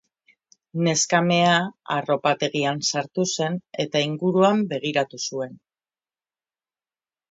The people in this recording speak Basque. Neskamea arropategian sartu zen eta ingurura begiratu zuen.